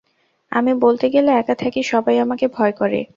আমি বলতে গেলে একা থাকি সবাই আমাকে ভয় করে।